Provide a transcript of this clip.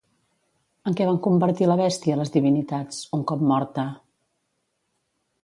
En què van convertir la bèstia les divinitats, un cop morta?